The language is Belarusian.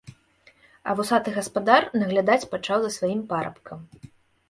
А вусаты гаспадар наглядаць пачаў за сваім парабкам.